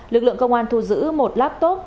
lực lượng công an thu giữ một laptop